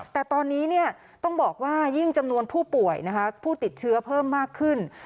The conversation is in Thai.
แต่ตอนนี้ต้องบอกว่ายิ่งจำนวนผู้ป่วยนะคะผู้ติดเชื้อเพิ่มมากขึ้น